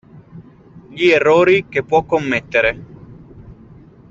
Gli errori che può commettere.